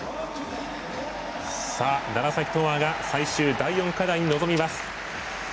楢崎智亜が最終第４課題に臨みます。